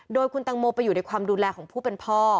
โดยคุณตังโมไปอยู่ในความดูแลของผู้เป็นพ่อ